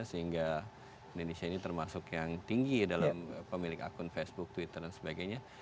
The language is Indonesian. sehingga indonesia ini termasuk yang tinggi dalam pemilik akun facebook twitter dan sebagainya